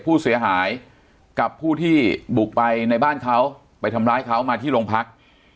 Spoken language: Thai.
ผู้เสียหายกับผู้ที่บุกไปในบ้านเขาไปทำร้ายเขามาที่โรงพัก